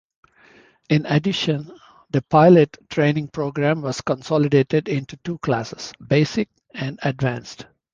In addition, the pilot training program was consolidated into two classes, Basic and Advanced.